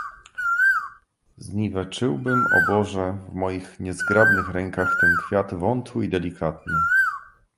"Zniweczyłbym o Boże w moich niezgrabnych rękach ten kwiat wątły i delikatny."